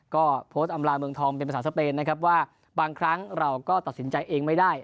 ก็โพสต์อำลาเมืองทองเป็นภาษาสเปนนะครับว่าบางครั้งเราก็ตัดสินใจเองไม่ได้